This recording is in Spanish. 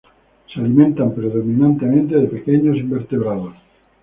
Se alimentan predominantemente de pequeños invertebrados.